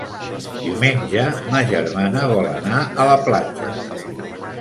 Diumenge ma germana vol anar a la platja.